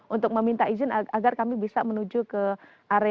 untuk meminta izin agar kami bisa menuju ke area